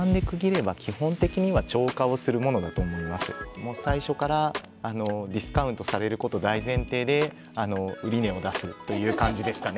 これは多分もう最初からディスカウントされること大前提で売値を出すという感じですかね。